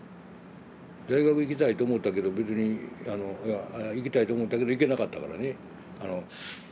大学行きたいと思ったけど別にいや行きたいと思ったけど行けなかったからね。